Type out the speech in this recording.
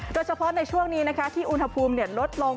โดยเฉพาะในช่วงนี้ที่อุณหภูมิลดลง